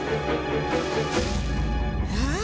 ああ！